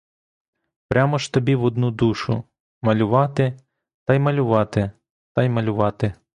Прямо ж тобі в одну душу — малювати, та й малювати, та й малювати!